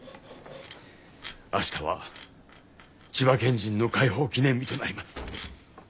あしたは千葉県人の解放記念日となります。